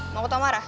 mau aku tau marah